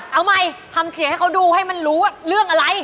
เอาใหม่ทำเสียงให้เขาดูให้มันรู้ว่าเรื่องอะไร